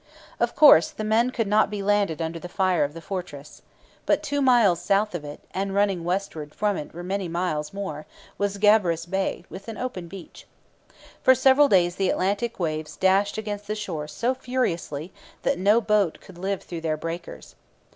Of course, the men could not be landed under the fire of the fortress. But two miles south of it, and running westward from it for many miles more, was Gabarus Bay with an open beach. For several days the Atlantic waves dashed against the shore so furiously that no boat could live through their breakers.